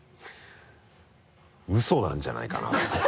ウソなんじゃないかなと思って。